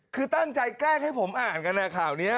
คือตั้งใจแกล้งให้ผมอ่านกันนะข่าวนี้